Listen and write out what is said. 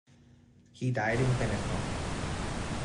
He died in Bennekom.